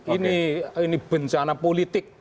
ini bencana politik